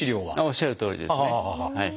おっしゃるとおりですねはい。